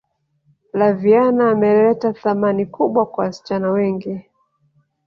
flaviana ameleta thamani kubwa kwa wasichana wengi